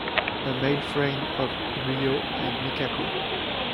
A male friend of Riho and Mikako.